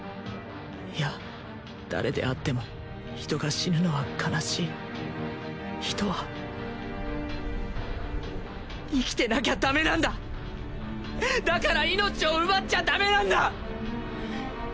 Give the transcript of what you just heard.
いや誰であっても人が死ぬのは悲しい人は生きてなきゃダメなんだだから命を奪っちゃダメなんだ！